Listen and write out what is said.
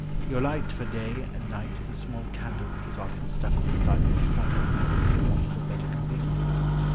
"Your light for day and night is a small candle which is often stuck on the side of your platter at meals for want of a better convenience.